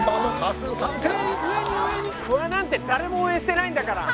フワなんて誰も応援してないんだから。